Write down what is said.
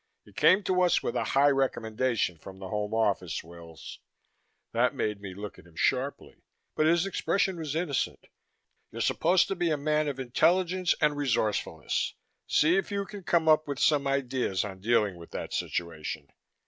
You came to us with a high recommendation from the Home Office, Wills " That made me look at him sharply, but his expression was innocent "You're supposed to be a man of intelligence and resourcefulness. See if you can come up with some ideas on dealing with that situation.